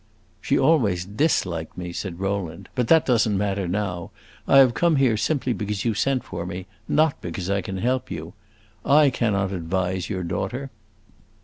"She always disliked me," said Rowland. "But that does n't matter now. I have come here simply because you sent for me, not because I can help you. I cannot advise your daughter."